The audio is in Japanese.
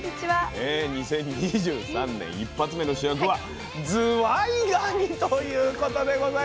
２０２３年一発目の主役はずわいがにということでございますよ。